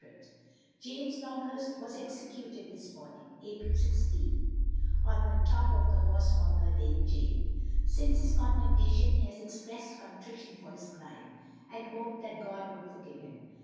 James Longhurst was executed this morning, April 16, on the top of Horsemonger lane gaol. Since his condemnation he has expressed contrition for his crime, and hoped that God would forgive him.